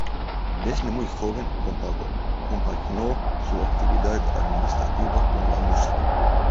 Desde muy joven, compaginó su actividad administrativa con la música.